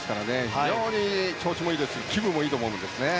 非常に調子もいいですし気分もいいと思いますね。